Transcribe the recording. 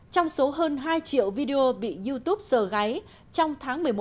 trong số hơn hai triệu video bị youtube sờ gáy trong tháng một mươi một năm hai nghìn một mươi bảy